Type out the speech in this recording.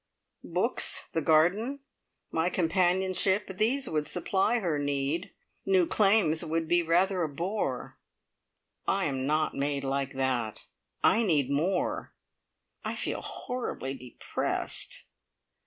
Books, the garden, my companionship these would supply her need. New claims would be rather a bore. I am not made like that. I need more. I feel horribly depressed.